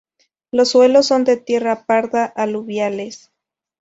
Los suelos son de tierra parda, aluviales.